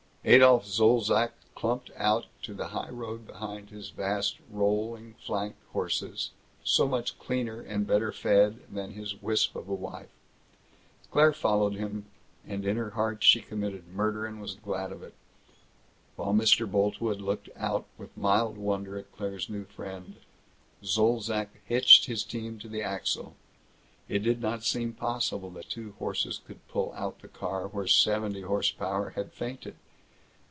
Adolph Zolzac clumped out to the highroad behind his vast, rolling flanked horses so much cleaner and better fed than his wisp of a wife. Claire followed him, and in her heart she committed murder and was glad of it. While Mr. Boltwood looked out with mild wonder at Claire's new friend, Zolzac hitched his team to the axle. It did not seem possible that two horses could pull out the car where seventy horsepower had fainted.